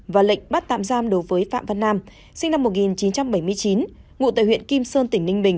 và lệnh bắt tạm giam đối với phạm văn nam sinh năm một nghìn chín trăm bảy mươi chín ngụ tại huyện kim sơn tỉnh ninh bình